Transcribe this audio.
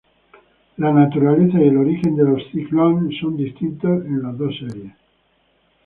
La naturaleza y el origen de los cylons son distintos en las dos series.